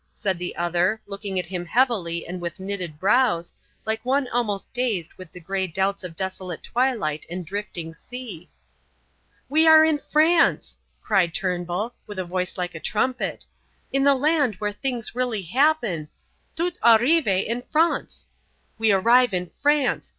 said the other, looking at him heavily and with knitted brows, like one almost dazed with the grey doubts of desolate twilight and drifting sea. "We are in France!" cried Turnbull, with a voice like a trumpet, "in the land where things really happen Tout arrive en France. We arrive in France.